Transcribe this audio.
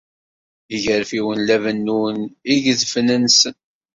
Igerfiwen la bennun igedfen-nsen.